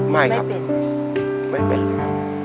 ไม่ครับไม่เป็นเลยครับ